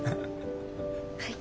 はい。